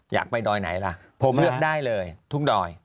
อยากไปดอยไหนล่ะผมเลือกได้เลยทุ่งดอย